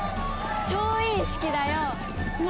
調印式だよ。何？